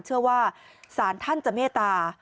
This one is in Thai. เชื่อว่าศาลท่านจะเมตตา